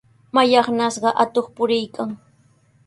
Mallaqnashqa atuq puriykan.